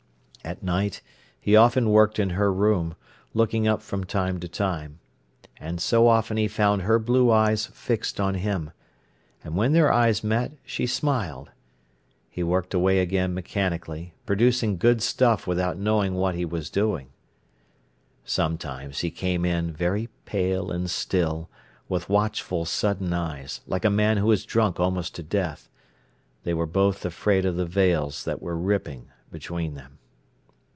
At night he often worked in her room, looking up from time to time. And so often he found her blue eyes fixed on him. And when their eyes met, she smiled. He worked away again mechanically, producing good stuff without knowing what he was doing. Sometimes he came in, very pale and still, with watchful, sudden eyes, like a man who is drunk almost to death. They were both afraid of the veils that were ripping between them.